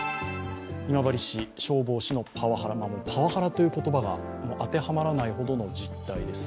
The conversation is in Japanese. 今治市消防士のパワハラパワハラという言葉が当てはまらないほどの実態です。